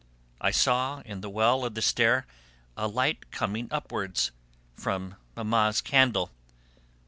I saw in the well of the stair a light coming upwards, from Mamma's candle.